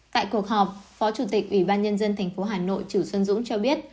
tại cuộc họp phó chủ tịch ủy ban nhân dân tp hà nội trừ xuân dũng cho biết